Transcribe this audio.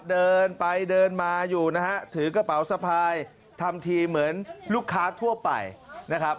เดินไปเดินมาอยู่นะฮะถือกระเป๋าสะพายทำทีเหมือนลูกค้าทั่วไปนะครับ